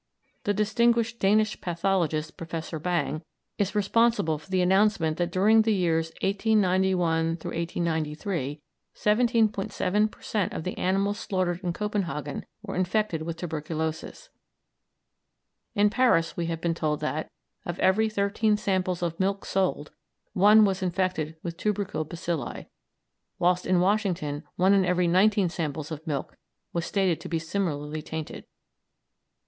The distinguished Danish pathologist, Professor Bang, is responsible for the announcement that during the years 1891 3 17·7 per cent. of the animals slaughtered in Copenhagen were infected with tuberculosis. In Paris we have been told that, of every thirteen samples of milk sold, one was infected with tubercle bacilli, whilst in Washington one in every nineteen samples of milk was stated to be similarly tainted.